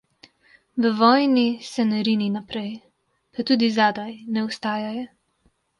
V vojni se ne rini naprej, pa tudi zadaj ne ostajaj.